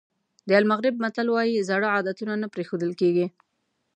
د المغرب متل وایي زاړه عادتونه نه پرېښودل کېږي.